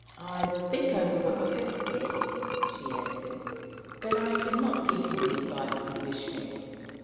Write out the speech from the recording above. "I will think over what you have said," she answered; "but I can not give him the advice you wish me.